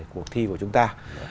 của thi của chúng ta